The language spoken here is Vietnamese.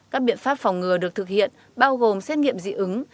các biện pháp phòng ngừa được thực hiện bao gồm xét nghiệm dị ứng